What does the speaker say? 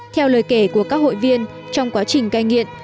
theo lời kể của các hội viên trong quá trình cai nghiện